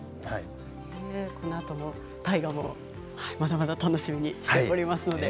このあとの大河もまだまだ楽しみにしておりますので。